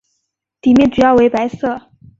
底面主要为白色。